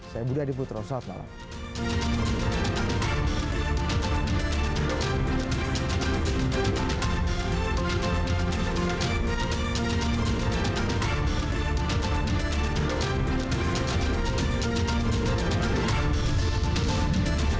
saya budi adiputro selamat malam